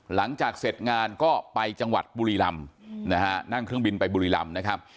หลังจากเสร็จงานก็ไปจังหวัดบุรีรำนะฮะนั่งเครื่องบินไปบุรีรำนะครับ